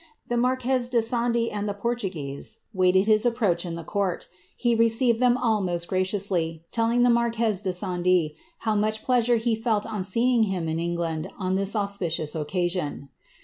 The marquez de e Portuguese waited his approach in the court. He received st graciously, telling the marquez de Sande how much plea on seeing him in England* on this auspicious occasion.'